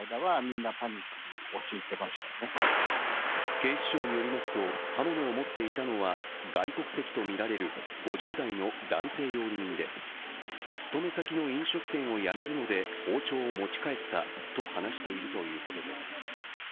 警視庁によりますと、刃物を持っていたのは外国籍とみられる５０代の男性料理人で勤め先の飲食店を辞めるので包丁を持ち帰ったと話しているということです。